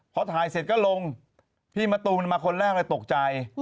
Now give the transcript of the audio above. พอถ่ายเสร็จก็ลงพี่มะตูมมาคนแรกเลยตกใจ